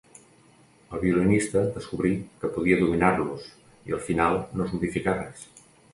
El violinista descobrí que podia dominar-los i al final no es modificà res.